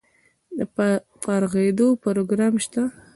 د فارغیدو پروګرام شته؟